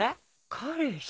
彼氏？